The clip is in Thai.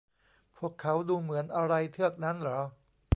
พวกเขาดูเหมือนอะไรเทือกนั้นหรอ ?